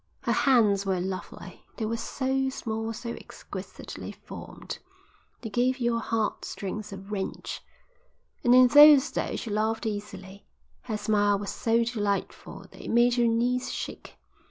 Her hands were lovely. They were so small, so exquisitely formed, they gave your heart strings a wrench. And in those days she laughed easily. Her smile was so delightful that it made your knees shake.